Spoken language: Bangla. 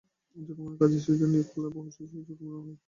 ঝুঁকিপূর্ণ কাজে শিশুদের নিয়োগ নিষিদ্ধ হলেও বহু শিশু ঝুঁকিপূর্ণ কাজ করছে।